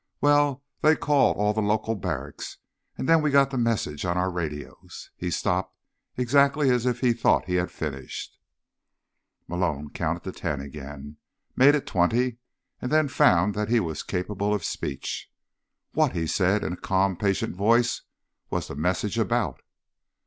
"Well, they called all the local barracks, and then we got the message on our radios." He stopped, exactly as if he thought he had finished. Malone counted to ten again, made it twenty and then found that he was capable of speech. "What?" he said in a calm, patient voice, "was the message about?"